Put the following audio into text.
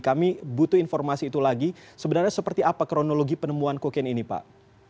kami butuh informasi itu lagi sebenarnya seperti apa kronologi penemuan kokain ini pak